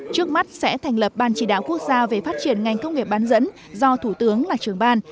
trước mắt sẽ thành lập ban chỉ đạo quốc gia về phát triển ngành công nghiệp bán dẫn do thủ tướng là trưởng ban